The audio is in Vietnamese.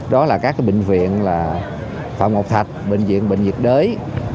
đó là các bệnh viện là phạm ngọc thạch bệnh viện bệnh nhiệt đới